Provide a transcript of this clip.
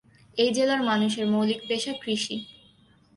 এই জেলার মানুষের মৌলিক পেশা কৃষি।